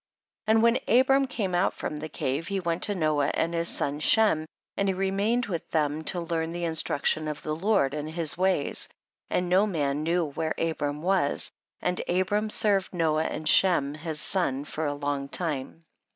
5. And when Abram came out from the cave, he went to Noah and his son Shem, and he remained with tliem to learn the instruction of the Lord and his ways, and no man knew wher e Abram was, and Abram serv ed Noah and Shem his son for a long time, 6.